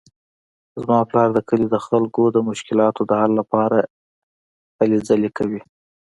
زما پلار د کلي د خلکو د مشکلاتو د حل لپاره هلې کوي